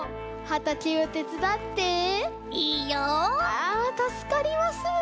あたすかります。